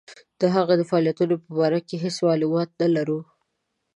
د هغه د فعالیتونو په باره کې هیڅ معلومات نه لرو.